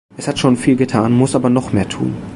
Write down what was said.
Es hat schon viel getan, muss aber noch mehr tun.